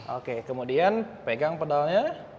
oke kemudian pegang pedalnya